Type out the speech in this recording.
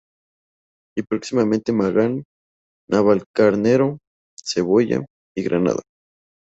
Y próximamente Magán, Navalcarnero, Cebolla y Granada.